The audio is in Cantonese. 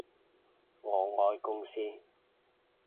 我愛公司